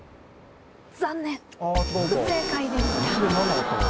残念不正解です。